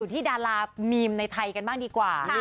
ที่ดารามีมในไทยกันบ้างดีกว่า